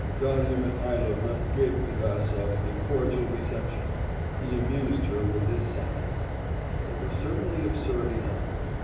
Darya Mihailovna gave Pigasov a cordial reception; he amused her with his sallies. They were certainly absurd enough.